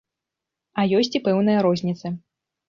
А ёсць і пэўныя розніцы.